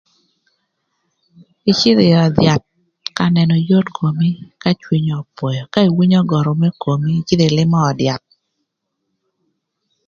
Ïcïdhö ï öd yath ka nënö yot komi ka cwinyi öpwöyö ka iwinyo görü më komi ïcïdhö ïlïmö öd yath.